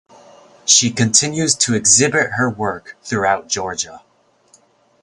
She continues to exhibit her work throughout Georgia.